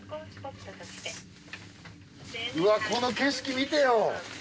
うわこの景色見てよ。